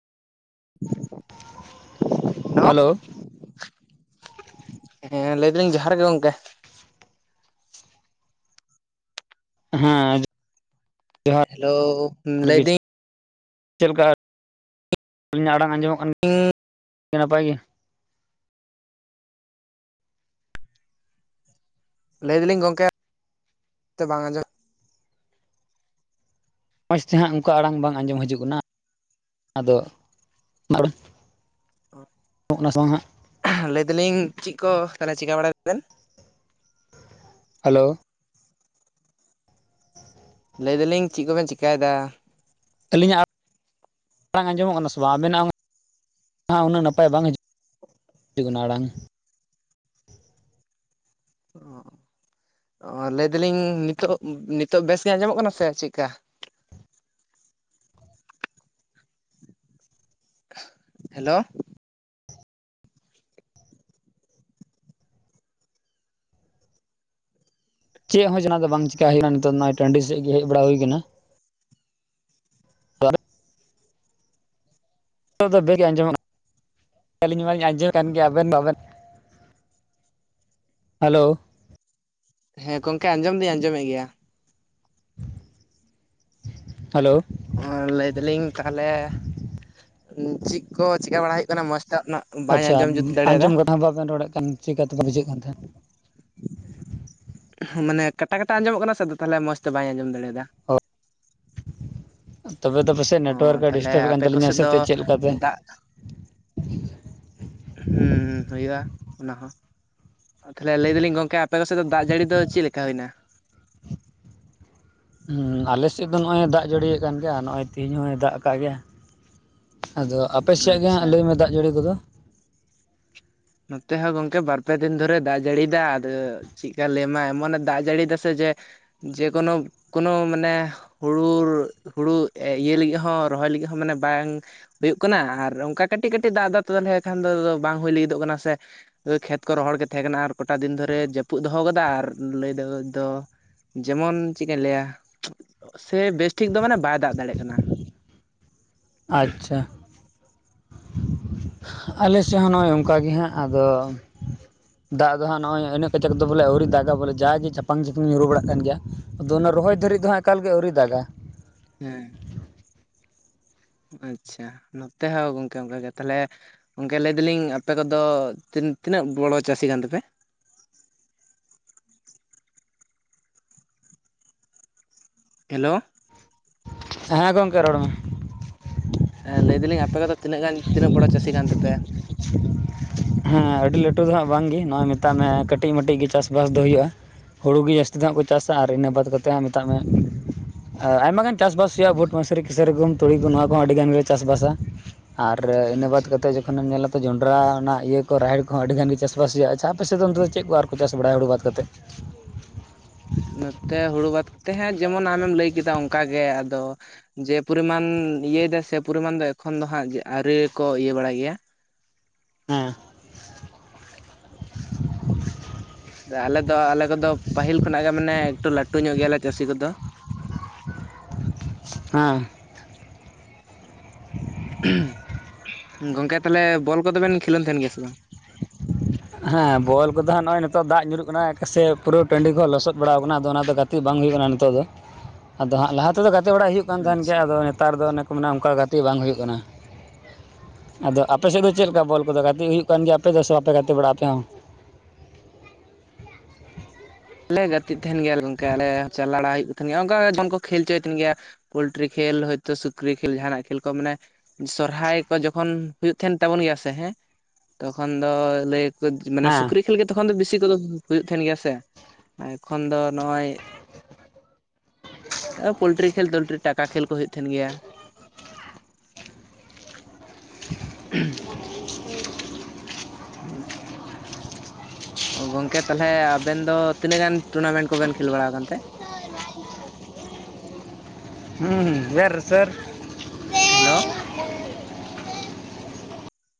Hello hello. ᱦᱮᱸ ᱞᱟᱹᱭ ᱫᱟᱞᱤᱧ ᱡᱚᱦᱟᱨ ᱜᱮ ᱜᱚᱝᱠᱮ᱾ ᱦᱮᱸ ᱡᱚᱦᱟᱨ ᱞᱟᱹᱭᱫᱟᱹᱧ ᱞᱟᱹᱭ ᱫᱟᱹᱧ [inaudible] ᱪᱮᱫᱞᱮᱠᱟ? ᱟᱹᱞᱤᱧᱟᱜ ᱟᱲᱟᱝ ᱟᱸᱡᱚᱢᱚᱜ ᱠᱟᱱᱟ ᱟᱹᱰᱤ ᱱᱟᱯᱟᱭ ᱜᱮ᱾ ᱞᱟᱹᱭ ᱫᱟᱞᱤᱧ ᱜᱚᱝᱠᱮ [inaudible] ᱵᱟᱝ ᱟᱸᱡᱚᱢ ᱢᱚᱸᱡᱽ ᱛᱮᱦᱟᱸᱜ ᱚᱱᱠᱟ ᱟᱲᱟᱝ ᱵᱟᱝ ᱟᱸᱡᱚᱢ ᱦᱤᱡᱩᱜ ᱠᱟᱱᱟ ᱟᱫᱚ [inaudible] ᱧᱚ [unintelligible] ᱜ ᱠᱟᱱᱟ ᱥᱮ ᱵᱟᱝ ᱦᱟᱸᱜ ᱞᱟᱹᱭᱫᱟᱞᱤᱧ ᱪᱮᱫ ᱠᱚ ᱛᱟᱦᱚᱞᱮ ᱪᱤᱠᱟᱹ ᱵᱟᱲᱟᱭᱟᱵᱮᱱ ᱦᱟᱞᱳ᱾ ᱞᱟᱹᱭ ᱮᱫᱟᱞᱤᱧ ᱪᱮᱫ ᱠᱚᱵᱮᱱ ᱪᱤᱧᱠᱟᱭᱮᱫᱟ? ᱟᱹᱞᱤᱧᱟᱜ ᱟᱲᱟᱝ ᱟᱸᱡᱚᱢᱚᱜ ᱠᱟᱱᱟ ᱥᱮ ᱵᱟᱝ ᱟᱵᱮᱱᱟᱜ [inaudible] ᱩᱱᱟᱹᱜ ᱱᱟᱯᱟᱭ ᱵᱟᱝ ᱦᱤᱡᱩᱜ᱾ ᱟᱵᱤᱱᱟᱜ ᱟᱲᱟᱝ ᱚ ᱚ ᱞᱟᱹᱭᱫᱟᱞᱤᱧ ᱱᱤᱛᱚᱜ ᱱᱤᱛᱚᱜ ᱵᱮᱥ ᱜᱤ ᱟᱸᱡᱚᱢᱚᱜ ᱠᱟᱱᱟ ᱥᱮ ᱪᱮᱫᱠᱟ? ᱦᱮᱞᱳ ᱪᱮᱫ ᱦᱚᱸ ᱡᱟᱦᱟᱱᱟᱜ ᱫᱚ ᱵᱟᱝ ᱪᱤᱠᱠᱟ ᱦᱩᱭᱱᱟ ᱱᱤᱛᱚᱜᱜ ᱴᱟᱺᱰᱤ ᱥᱮᱫ ᱜᱮ ᱦᱮᱡ ᱵᱟᱲᱟ ᱦᱩᱭ ᱟᱠᱟᱱᱟ᱾ ᱫᱚ ᱵᱮᱜ ᱜᱮ ᱟᱸᱡᱚᱢᱟ [unintelligible] ᱟᱹᱞᱤᱧ ᱢᱟᱞᱤᱧ ᱟᱸᱡᱚᱢ ᱠᱟᱱ ᱜᱮᱭᱟ ᱟᱵᱮᱱ ᱵᱟᱵᱮᱱ [inaudible] ᱦᱮᱞᱳ ᱦᱮᱸ ᱜᱚᱝᱠᱮ ᱟᱸᱡᱚᱢ ᱫᱚᱭᱧ ᱟᱸᱡᱚᱢᱮᱜ ᱜᱮᱭᱟ᱾ ᱦᱟᱞᱳ ᱚ ᱞᱟᱹᱭᱫᱟᱞᱤᱧ ᱛᱟᱦᱚᱞᱮ ᱪᱮᱫ ᱠᱚ ᱪᱮᱠᱟ ᱵᱟᱲᱟ ᱦᱩᱭᱩᱜ ᱠᱟᱱᱟ ᱢᱚᱡᱽ ᱛᱮ ᱨᱮᱱᱟᱜ? ᱟᱪᱪᱷᱟ ᱟᱸᱡᱚᱢ ᱠᱟᱛᱷᱟ ᱦᱚᱸ ᱵᱟᱵᱮᱱ ᱨᱚᱲᱮᱫ ᱠᱟᱱ ᱪᱮᱠᱟᱛᱮᱯᱮ ᱵᱩᱡᱷᱟᱹᱜ ᱠᱟᱱ ᱛᱟᱦᱮᱸᱫ᱾ ᱢᱟᱱᱮ ᱠᱟᱴᱟ ᱠᱟᱴᱟ ᱟᱸᱡᱚᱢᱚᱜ ᱠᱟᱱᱟ ᱥᱮ ᱛᱟᱦᱞᱮ ᱢᱚᱸᱡᱽ ᱛᱮ ᱵᱟᱹᱧ ᱟᱸᱡᱚᱢ ᱫᱟᱲᱮᱭᱟᱫᱟ᱾ ᱚ ᱛᱚᱵᱮ ᱫᱚ ᱯᱟᱥᱮᱡ ᱚ ᱱᱮᱴᱣᱟᱨᱠ ᱮ ᱛᱟᱦᱚᱞᱮ ᱰᱤᱥᱴᱟᱵᱮᱫ ᱠᱟᱱ ᱛᱟᱹᱞᱤᱧᱟ ᱥᱮ ᱪᱮᱫ ᱞᱮᱠᱟᱛᱮ᱾ [inaudible] ᱦᱩᱸᱩ ᱦᱩᱭᱩᱜᱼᱟ ᱚᱱᱟ ᱦᱚᱸ ᱛᱟᱦᱟᱞᱮ ᱞᱟᱹᱭ ᱮᱫᱟᱞᱤᱧ ᱜᱚᱝᱠᱮ ᱟᱯᱮ ᱠᱚ ᱥᱮᱫ ᱫᱚ ᱫᱟᱜ ᱡᱟᱹᱲᱤ ᱫᱚ ᱪᱮᱫ ᱞᱮᱠᱟ ᱦᱩᱭᱮᱱᱟ? ᱦᱮᱸ ᱟᱞᱮᱮᱥᱮᱫ ᱫᱚ ᱱᱚᱜ ᱚᱭ ᱫᱟᱜ ᱡᱟᱹᱲᱤᱭᱟᱜ ᱠᱟᱱ ᱜᱮᱭᱟ ᱱᱚᱜ ᱚᱭ ᱛᱮᱦᱮᱧ ᱦᱚᱭ ᱫᱟᱜ ᱟᱠᱟᱫ ᱜᱮᱭᱟ᱾ ᱟᱫᱚ ᱟᱯᱮ ᱥᱮᱭᱟᱜ ᱜᱮ ᱟᱪᱪᱷᱟ ᱦᱟᱸᱜ ᱞᱟᱹᱭ ᱢᱮᱸ ᱫᱟᱜ ᱡᱟᱹᱲᱤ ᱠᱚᱫᱚ? ᱱᱚᱛᱮ ᱦᱚᱸ ᱜᱚᱝᱠᱮ ᱵᱟᱨᱯᱮ ᱫᱤᱱ ᱫᱷᱚᱨᱮ ᱫᱟᱜ ᱡᱟᱹᱲᱤᱭᱟ ᱟᱫᱚ- ᱪᱮᱫᱠᱟ ᱞᱟᱹᱭᱟᱢᱟ ᱮᱢᱚᱱᱮ ᱫᱟᱜ ᱡᱟᱹᱲᱤᱭᱮᱫᱟ ᱥᱮ ᱡᱮ ᱡᱮᱠᱳᱱᱳ ᱠᱳᱱᱳ ᱢᱟᱱᱮ᱾ ᱦᱩᱲᱩ ᱦᱩᱲᱩ ᱤᱭᱟᱹ ᱞᱟᱹᱜᱤᱫ ᱦᱚᱸ ᱨᱚᱦᱚᱭ ᱞᱟᱹᱜᱤᱫ ᱦᱚᱸ ᱢᱟᱱᱮ ᱵᱟᱝ ᱦᱩᱭᱩᱜ ᱠᱟᱱᱟ ᱟᱨ ᱚᱱᱠᱟ ᱠᱟᱹᱴᱤᱡ ᱠᱟᱹᱴᱤᱡ ᱫᱟᱜᱫᱚ ᱛᱚᱞᱮ ᱠᱷᱟᱱ ᱫᱚ ᱵᱟᱝ ᱦᱩᱭ ᱞᱟᱹᱜᱤᱫᱚᱜ ᱠᱟᱱᱟ ᱥᱮ᱾ ᱠᱷᱮᱛ ᱠᱚ ᱨᱚᱦᱚᱲ ᱜᱮ ᱛᱟᱦᱮᱸ ᱠᱟᱱᱟ ᱟᱨ ᱜᱚᱴᱟ ᱫᱤᱱ ᱫᱷᱚᱨᱮ ᱡᱟᱹᱯᱩᱫ ᱫᱚᱦᱚ ᱠᱟᱫᱟ ᱟᱨ ᱞᱟᱹᱭ ᱫᱚ ᱫᱚ᱾ ᱡᱮᱢᱚᱱ ᱪᱮᱫ ᱤᱧ ᱞᱟᱹᱭᱟ ᱥᱮ ᱵᱮᱥᱴᱷᱤᱠ ᱫᱚ ᱢᱟᱱᱮ ᱵᱟᱭ ᱫᱟᱜ ᱫᱟᱲᱮᱭᱟᱜ ᱠᱟᱱᱟᱹ ᱾ ᱟᱪᱪᱷᱟ ᱟᱞᱮ ᱥᱮᱫ ᱦᱚᱸ ᱱᱚᱜᱼᱚᱸᱚᱭ ᱚᱱᱠᱟ ᱜᱮ ᱦᱟᱸᱜ ᱟᱫᱚ ᱫᱟᱜ ᱫᱚ ᱦᱟᱸᱜ ᱱᱚᱜ ᱚᱭ ᱤᱱᱟᱹᱜ ᱠᱟᱡᱟᱠ ᱫᱚ ᱵᱚᱞᱮ ᱟᱹᱣᱨᱤ ᱫᱟᱜᱟ ᱵᱚᱞᱮ ᱡᱟᱜᱮ ᱪᱟᱯᱟᱝ ᱪᱩᱯᱩᱝᱧ ᱧᱩᱨᱩ ᱵᱟᱲᱟᱜ ᱠᱟᱱ ᱜᱤᱭᱟᱹ᱾ ᱟᱫᱚ ᱚᱱᱟ ᱨᱚᱦᱚᱭ ᱫᱷᱟᱹᱨᱤᱡ ᱫᱚ ᱦᱟᱸᱜ ᱮᱠᱟᱞ ᱜᱮ ᱟᱹᱣᱨᱤ ᱫᱟᱜᱟᱹ᱾ ᱦᱮᱸ ᱟᱪᱪᱷᱟ ᱱᱚᱛᱮ ᱦᱚᱸ ᱜᱚᱝᱠᱮ ᱚᱱᱠᱟᱜᱮ ᱛᱟᱦᱚᱞᱮ᱾ ᱜᱚᱝᱠᱮ ᱞᱟᱹᱭ ᱮ ᱫᱟᱞᱤᱝ ᱟᱯᱮ ᱠᱚᱫᱚ ᱛᱤᱱ ᱛᱤᱱᱟᱹᱜ ᱵᱚᱲᱚ ᱪᱟᱹᱥᱤ ᱠᱟᱱ ᱛᱟᱯᱮ? ᱦᱮᱞᱳ ᱦᱮᱸ ᱜᱚᱝᱠᱮ ᱨᱚᱲ ᱢᱮ? ᱦᱮᱸ ᱞᱟᱹᱭ ᱫᱟ ᱞᱤᱧ ᱟᱯᱮ ᱫᱚ ᱛᱤᱱᱟᱜ ᱜᱟᱱ ᱛᱤᱱᱟᱹᱜ ᱵᱚᱲᱚ ᱪᱟᱹᱥᱤ ᱠᱟᱱ ᱛᱟᱯᱮ ᱦᱮᱸ ᱟᱹᱰᱤ ᱞᱟᱹᱴᱩ ᱫᱚ ᱦᱟᱸᱜ ᱵᱟᱝ ᱜᱮ ᱱᱚᱜᱚᱭ ᱢᱮᱛᱟᱜ ᱢᱮ ᱠᱟᱹᱴᱤᱡ ᱢᱟᱴᱤᱡ ᱜᱮ ᱪᱟᱥ ᱵᱟᱥ ᱫᱚ ᱦᱩᱭᱩᱜᱼᱟ ᱦᱩᱲᱩ ᱜᱮ ᱡᱟᱹᱥᱛᱤ ᱫᱚ ᱦᱟᱸᱜ ᱠᱚ ᱪᱟᱥᱟ ᱟᱨ ᱤᱱᱟᱹ ᱵᱟᱫ ᱠᱟ ᱠᱟᱛᱮᱫ ᱦᱚᱸ ᱢᱮᱛᱟᱜ ᱢᱮ ᱟᱨ ᱟᱭᱢᱟ ᱜᱟᱱ ᱪᱟᱥᱵᱟᱥ ᱦᱩᱭᱩᱜᱼᱟ ᱵᱷᱩᱴ ᱢᱟᱥᱨᱤ ᱠᱮᱥᱨᱤ ᱜᱩᱦᱩᱢ ᱛᱩᱲᱤ ᱠᱚ ᱱᱚᱣᱟ ᱠᱚ ᱟᱹᱰᱤ ᱜᱟᱱ ᱞᱮ ᱪᱟᱥᱵᱟᱥᱟ ᱟᱨ ᱤᱱᱟᱹ ᱵᱟᱫᱽ ᱟᱪᱪᱷᱟ ᱠᱟᱛᱮᱫ ᱡᱚᱠᱷᱚᱱᱮᱢ ᱧᱮᱞᱟ ᱛᱚ ᱡᱚᱱᱰᱨᱟ ᱚᱱᱟᱜ ᱤᱭᱟᱹ ᱠᱚ ᱨᱟᱦᱮᱲ ᱠᱚᱸ ᱟᱹᱰᱤ ᱜᱟᱱ ᱜᱮ ᱨᱟᱦᱮᱲ ᱠᱚ ᱦᱚᱸ ᱟᱹᱰᱤᱜᱟᱱ ᱜᱮ ᱪᱟᱥᱵᱟᱥ ᱦᱩᱭᱩᱜᱼᱟᱪᱪᱷᱟ ᱟᱯᱮ ᱥᱮᱫ ᱱᱚᱱᱛᱮ ᱪᱮᱫ ᱠᱚ ᱟᱨ ᱪᱟᱥᱵᱟᱥ ᱫᱚ ᱵᱟᱲᱟᱭ ᱦᱩᱲᱩ ᱵᱟᱫᱽ ᱠᱟᱛᱮᱜ ᱱᱚᱛᱮ ᱦᱩᱲᱩ ᱵᱟᱫ ᱠᱟᱛᱮ ᱛᱮ ᱦᱟᱜ ᱡᱮᱢᱚᱱ ᱟᱢᱮᱢ ᱞᱟᱹᱭ ᱠᱮᱫᱟ ᱚᱱᱠᱟ ᱜᱮ ᱟᱫᱚ ᱡᱮ ᱯᱚᱨᱤᱢᱟᱱ ᱤᱭᱟᱹᱭ ᱫᱟ ᱥᱮ ᱯᱚᱨᱤᱢᱟᱱ ᱫᱚ ᱮᱠᱷᱚᱱ ᱫᱚ ᱦᱟᱸᱜ ᱟᱹᱣᱨᱤ ᱠᱚ ᱤᱭᱟᱹ ᱵᱟᱲᱟᱭ ᱜᱮᱭᱟ ᱦᱮᱸ ᱦ [inaudible] ᱟᱞᱮ ᱫᱚ ᱟᱞᱮ ᱠᱚᱫᱚ ᱯᱟᱹᱦᱤᱞ ᱠᱷᱚᱱᱟᱜ ᱜᱮ ᱢᱟᱱᱮ ᱮᱠᱴᱩ ᱞᱟᱹᱴᱩ ᱧᱚᱜ ᱜᱮᱭᱟ ᱞᱮ ᱪᱟᱹᱥᱤ ᱠᱚᱫᱚ ᱦᱮᱸ ᱜᱚᱝᱠᱮ ᱛᱟᱦᱚᱞᱮ ᱵᱚᱞ ᱠᱚᱫᱚᱵᱮᱱ ᱠᱷᱮᱞᱳᱱ ᱛᱟᱦᱮᱸᱱ ᱜᱮᱭᱟ ᱥᱮ ᱵᱟᱝ ᱦᱮᱸ ᱵᱚᱞ ᱠᱚᱫᱚ ᱦᱟᱸᱜ ᱱᱚᱜᱼᱚᱭ ᱱᱤᱛᱚᱜ ᱫᱟᱜ ᱧᱩᱨᱩᱜ ᱠᱟᱱᱟ ᱥᱮ ᱯᱩᱨᱟᱹ ᱴᱟᱺᱰᱤ ᱦᱚᱸ ᱞᱚᱥᱚᱫ ᱵᱟᱲᱟᱣ ᱟᱠᱟᱱᱟ ᱟᱫᱚ ᱚᱱᱟ ᱛᱮ ᱜᱟ ᱛᱮ ᱵᱟᱝ ᱦᱩᱭᱩᱜ ᱠᱟᱱᱟ ᱱᱤᱛᱚᱜ ᱫᱚ ᱟᱫᱚ ᱦᱟᱸᱜ ᱞᱟᱦᱟ ᱛᱮᱫᱚ ᱜᱟᱛᱮ ᱵᱟᱲᱟᱜ ᱦᱩᱭᱩᱜ ᱠᱟᱱ ᱛᱟᱦᱮᱸᱱ ᱟᱪᱪᱷᱟ ᱜᱮᱭᱟ ᱟᱫᱚ ᱱᱮᱛᱟᱨ ᱫᱚ ᱚᱱᱮ ᱠᱚ ᱢᱮᱱᱟ ᱚᱱᱠᱟ ᱜᱟᱛᱮᱜ ᱵᱟᱝ ᱦᱩᱭᱩᱜ ᱠᱟᱱᱟ ᱟᱫᱚ ᱟᱯᱮ ᱥᱮᱫ ᱫᱚ ᱪᱮᱫᱞᱮᱠᱟ ᱵᱚᱞ ᱠᱚᱫᱚ ᱜᱟᱛᱮᱜ ᱦᱩᱭᱩᱜ ᱠᱟᱱ ᱜᱮᱭᱟ ᱟᱯᱮ ᱫᱚ ᱥᱮ ᱵᱟᱯᱮ ᱜᱟᱛᱮ ᱵᱟᱲᱟᱜᱼᱟ ᱟᱯᱮ ᱦᱚᱸ ᱞᱮ ᱜᱟᱛᱮᱜ ᱛᱟᱦᱮᱸᱱ ᱜᱮᱭᱟ ᱞᱮ ᱜᱚᱝᱠᱮ ᱟᱞᱮ ᱦᱚᱸ ᱪᱟᱞᱟᱣ ᱵᱟᱲᱟ ᱦᱩᱭᱩᱜ ᱠᱟᱱ ᱛᱟᱦᱮᱸᱱ ᱜᱮᱭᱟ ᱚᱱᱠᱟ ᱡᱮᱢᱚᱱ ᱠᱚ ᱠᱷᱮᱞ ᱪᱚᱭᱮᱫ ᱛᱟᱦᱮᱸᱱ ᱜᱮᱭᱟ ᱯᱳᱞᱴᱨᱤ ᱠᱷᱮᱞ ᱦᱚᱳᱭᱛᱳ ᱥᱩᱠᱨᱤ ᱠᱷᱮᱞ ᱡᱟᱦᱱᱟᱜ ᱠᱷᱮᱞ ᱠᱚ ᱢᱟᱱᱮ ᱥᱚᱨᱦᱟᱭ ᱠᱚ ᱡᱚᱠᱷᱚᱱ ᱦᱩᱭᱩᱜ ᱛᱟᱦᱮᱸᱱ ᱛᱟᱵᱚᱱ ᱜᱮᱭᱟ ᱥᱮ ᱦᱮᱸ ᱛᱚᱠᱷᱚᱱ ᱫᱚ ᱞᱟᱹᱭ ᱢᱟᱱᱮ ᱦᱮᱸ ᱥᱩᱠᱨᱤ ᱠᱷᱮᱞ ᱜᱮ ᱛᱚᱠᱷᱚᱱ ᱫᱚ ᱵᱮᱥᱤ ᱠᱚᱫᱚ ᱦᱩᱭᱩᱜ ᱛᱟᱦᱮᱸᱱ ᱜᱮᱭᱟ ᱥᱮ ᱮᱠᱷᱚᱱ ᱫᱚ ᱱᱚᱜᱼᱚᱭ ᱯᱳᱚᱞᱴᱨᱤ ᱠᱷᱮᱞ ᱫᱚᱞᱴᱨᱤ ᱴᱟᱠᱟ ᱠᱷᱮᱞ ᱠᱚ ᱦᱩᱭᱩᱜ ᱛᱟᱦᱮᱸᱱ ᱜᱮᱭᱟ ᱩ ᱦᱳᱭ ᱥᱮ ᱜᱚᱝᱠᱮ ᱛᱟᱦᱚᱞᱮ ᱟᱵᱮᱱ ᱫᱚ ᱛᱤᱱᱟᱹᱜ ᱜᱟᱱ ᱴᱩᱨᱱᱟᱢᱮᱱᱴ ᱠᱚᱵᱮᱱ ᱠᱷᱮᱞ ᱵᱟᱲᱟ ᱟᱠᱟᱱ ᱛᱮ ᱦᱩᱸᱮᱨ ᱥᱮᱨ ᱦᱮᱞᱳ